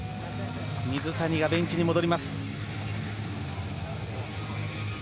水谷がベンチに戻ります。